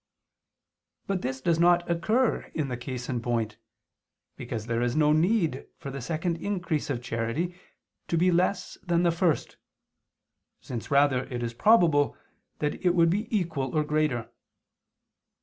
But this does not occur in the case in point: because there is no need for the second increase of charity to be less than the first, since rather is it probable that it would be equal or greater.